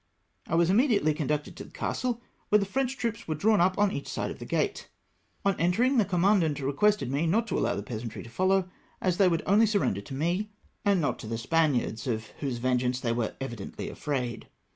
I was immediately con ducted to the castle, where the French troops were drawn up on each side of the gate. On entering, the commandant requested me not to allow the peasantry to follow, as they would only surrender to me, and not s4 2G4 1RR1TAT10^^ OF THE SPANIARDS. to the Spaniards, of whose vengeance they were evi dently afraid.